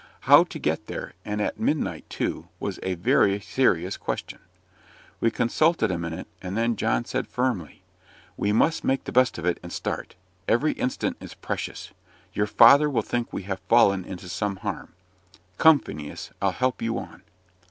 How to get there, and at midnight too, was a very serious question. We consulted a minute, and then John said firmly: "We must make the best of it and start. Every instant is precious. Your father will think we have fallen into some harm. Come, Phineas, I'll help you on."